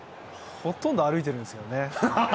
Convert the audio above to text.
ほとんど歩いてるんですよね。